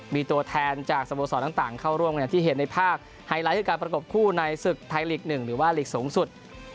มีตัวแทนจากสโมสรต่างเข้าร่วมอย่างที่เห็นในภาพไฮไลท์คือการประกบคู่ในศึกไทยลีก๑หรือว่าลีกสูงสุด